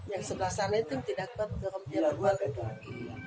yang sebelah sana itu tidak kuat kemudian keluar